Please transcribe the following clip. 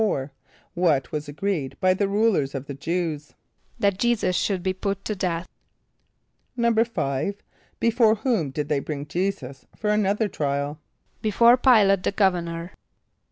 = What was agreed by the rulers of the Jew[s+]? =That J[=e]´[s+]us should be put to death.= =5.= Before whom did they bring J[=e]´[s+]us for another trial? =Before P[=i]´late the governor.